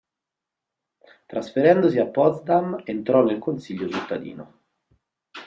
Trasferendosi a Potsdam, entrò nel consiglio cittadino.